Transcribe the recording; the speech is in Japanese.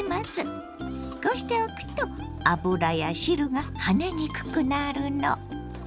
こうしておくと油や汁が跳ねにくくなるの。